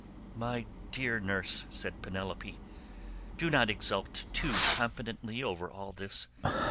"My dear nurse," said Penelope, "do not exult too confidently over all this.